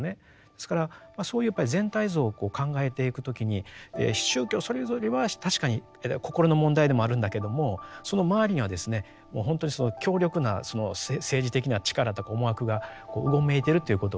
ですからそういうやっぱり全体像をこう考えていく時に宗教それぞれは確かに心の問題でもあるんだけどもその周りにはですねもう本当に強力な政治的な力とか思惑がうごめいてるということをですね